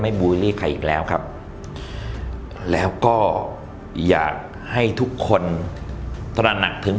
บูลลี่ใครอีกแล้วครับแล้วก็อยากให้ทุกคนตระหนักถึง